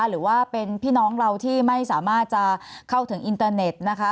หรือว่าเป็นพี่น้องเราที่ไม่สามารถจะเข้าถึงอินเตอร์เน็ตนะคะ